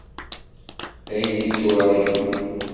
D ayen yetturajun.